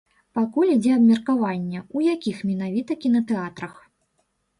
Пакуль ідзе абмеркаванне, у якіх менавіта кінатэатрах.